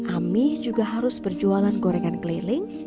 amih juga harus berjualan gorengan keliling